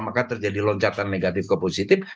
maka terjadi loncatan negatif ke positif